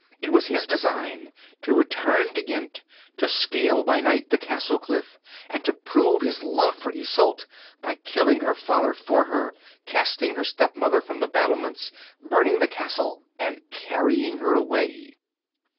It was his design to return to Ghent, to scale by night the castle cliff and to prove his love for Isolde by killing her father for her, casting her stepmother from the battlements, burning the castle, and carrying her away.